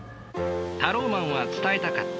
タローマンは伝えたかった。